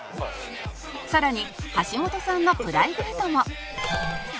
更に橋本さんのプライベートも